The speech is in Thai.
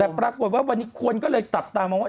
แต่ปรากฏว่าวันนี้คนก็เลยจับตามองว่า